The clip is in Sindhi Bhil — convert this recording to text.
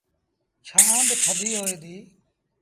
ڇآن با ٿڌي هوئي دي۔